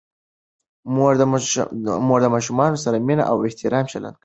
مور د ماشومانو سره مینه او احترام چلند کوي.